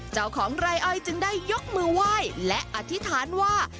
เจ้าของไร่อ้อยจึงได้ยกมือไหว้และอธิษฐานว่า